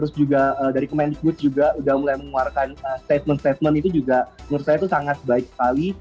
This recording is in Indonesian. dan juga dari kemendikbud juga udah mulai mengeluarkan statement statement itu juga menurut saya itu sangat baik sekali